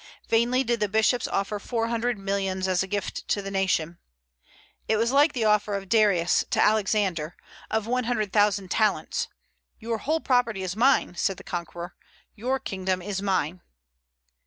Vainly did the bishops offer four hundred millions as a gift to the nation. It was like the offer of Darius to Alexander, of one hundred thousand talents. "Your whole property is mine," said the conqueror; "your kingdom is mine."